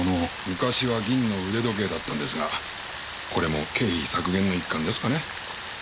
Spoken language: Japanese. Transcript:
昔は銀の腕時計だったんですがこれも経費削減の一環ですかね。